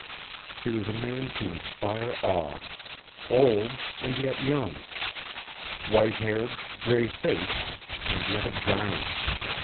He was a man to inspire awe; old, and yet young; white haired, gray faced, and yet a giant.